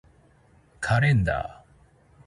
カレンダー